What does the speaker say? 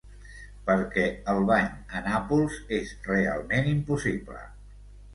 Perquè el bany, a Nàpols, és realment impossible.